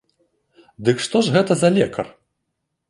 Дык што ж гэта за лекар?